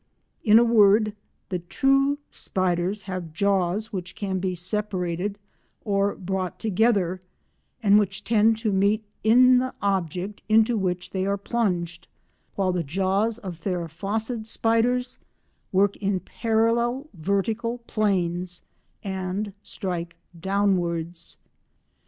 In a word, the true spiders have jaws which can be separated or brought together, and which tend to meet in the object into which they are plunged, while the jaws of theraphosid spiders work in parallel vertical planes, and strike downwards.